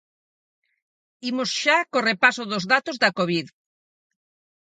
Imos xa co repaso dos datos da covid.